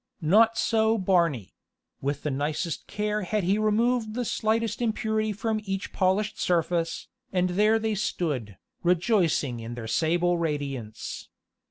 Not so Barney: with the nicest care had he removed the slightest impurity from each polished surface, and there they stood, rejoicing in their sable radiance.